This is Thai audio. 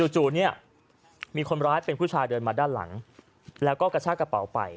จู่เนี่ยมีคนร้ายเป็นผู้ชายเดินมาด้านหลังแล้วก็กระชากระเป๋าไป